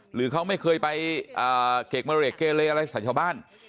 หรือเขาไม่เคยไปเกรกเมเรกเกเลอะไรใส่ชาวบ้าน